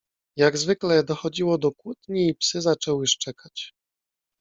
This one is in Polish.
"Jak zwykle dochodziło do kłótni i psy zaczęły szczekać."